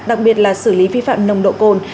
đặc biệt là xử lý vi phạm nồng độ cồn